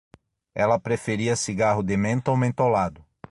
Ela preferia cigarro de menta ou mentolado